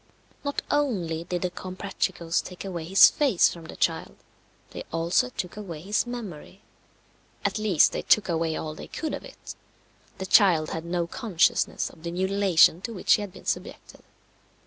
Not only did the Comprachicos take away his face from the child, they also took away his memory. At least they took away all they could of it; the child had no consciousness of the mutilation to which he had been subjected.